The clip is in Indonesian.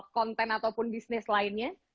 konten ataupun bisnis lainnya